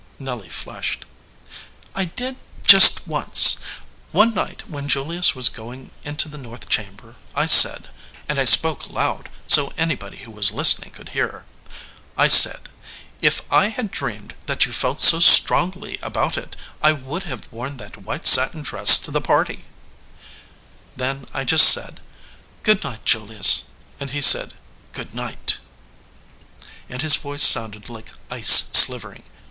Nelly flushed. "I did just once. One night when Julius was going into the north chamber I said and I spoke loud, so anybody who was lis tening could hear I said, If I had dreamed that you felt so strongly about it, I would have worn that white satin dress to the party/ Then I just said, Good night, Julius/ and he said Good night/ and his voice sounded like ice slivering.